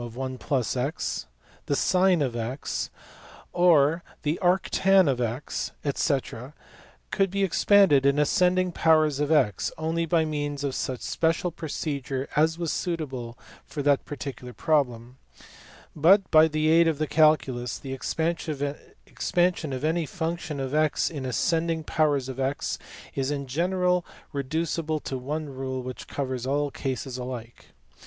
(I+x) n , log(l+#), sin a;, tan~ 1 ,^, &c., could be expanded in ascending powers of x only by means of such special procedure as was suitable for that particular problem ; but, by the aid of the calculus, the expansion of any function of x in ascending powers of x is in general reducible to one rule which covers all cases alike.